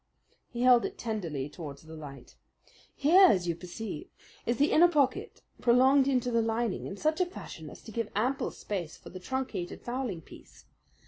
He held it tenderly towards the light. "Here, as you perceive, is the inner pocket prolonged into the lining in such fashion as to give ample space for the truncated fowling piece.